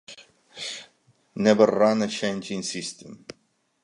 "Never run a changing system."